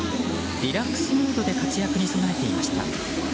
リラックスムードで活躍に備えていました。